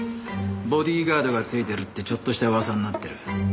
ボディーガードがついてるってちょっとした噂になってる。